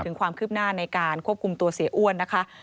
ถึงความคืบหน้าในการควบคุมตัวเสียอ้วนนะคะ